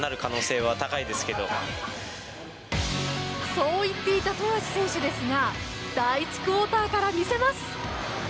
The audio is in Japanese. そう言っていた富樫選手ですが第１クオーターから見せます。